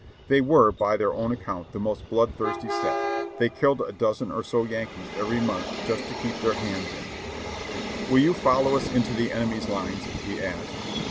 They were, by their own account, the most blood thirsty set ; they killed a dozen or so Yankees every month just to keep their hands in. "Will you follow us into the enemy's lines?" we asked.